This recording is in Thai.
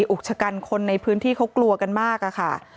อุกชะกันคนในพื้นที่เขากลัวกันมากอะค่ะ